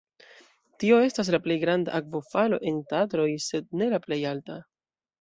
Tio estas la plej granda akvofalo en Tatroj sed ne la plej alta.